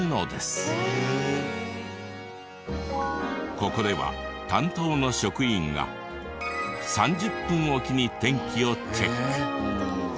ここでは担当の職員が３０分おきに天気をチェック。